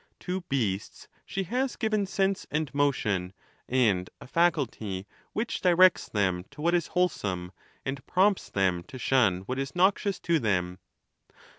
To beasts she has given sense and motion, and a faculty which directs them to what is wholesome, and prompts them to shun what is noxious to them.